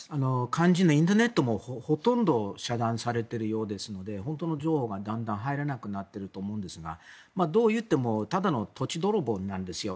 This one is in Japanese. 肝心のインターネットも遮断されているので本当の情報がだんだん入らなくなっていると思うんですが、どういってもただの土地泥棒なんですよ。